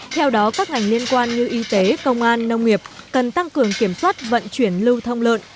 theo đó các ngành liên quan như y tế công an nông nghiệp cần tăng cường kiểm soát vận chuyển lưu thông lợn